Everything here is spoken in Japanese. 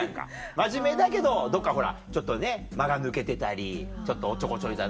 真面目だけどどっかほらちょっとね間が抜けてたりちょっとおっちょこちょいだな。